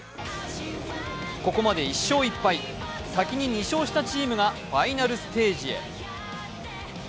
ここまで１勝１敗、先に２勝したチームが、ファイナルステージへ。